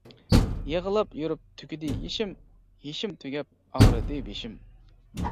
يىغلاپ يۈرۈپ تۈگىدى يېشىم، يېشىم تۈگەپ ئاغرىدى بېشىم.